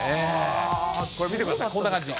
これ見てください、こんな感じ。